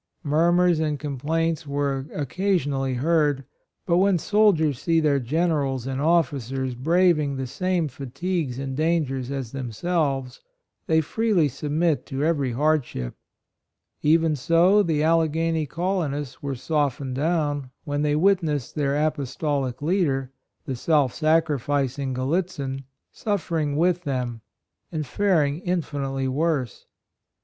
Mur murs and complaints were occa sionally heard ; but when soldiers see their generals and officers brav ing the same fatigues and dangers as themselves, they freely submit to every hardship ; even so the Alleghany colonists were softened down, when they witnessed their apostolic leader, the self sacrificing Galiitzin, suffering with them and faring infinitely worse.